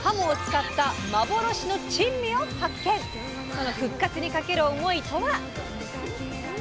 その復活にかける思いとは？